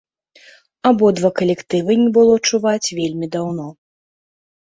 Абодва калектывы не было чуваць вельмі даўно.